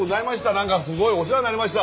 何かすごいお世話になりました。